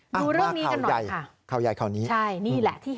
มาข้าวใหญ่ข้านี้